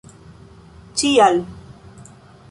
ĉial